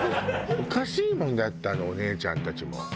おかしいもんだってあのお姉ちゃんたちも。